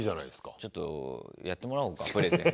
ちょっとやってもらおうかプレゼン。